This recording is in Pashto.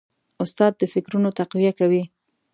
استاد د فکرونو تقویه کوي.